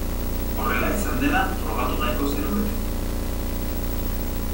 Horrela izan dela frogatu nahiko zenukete.